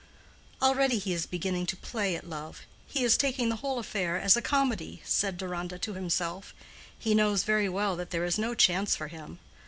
"Already he is beginning to play at love: he is taking the whole affair as a comedy," said Deronda to himself; "he knows very well that there is no chance for him.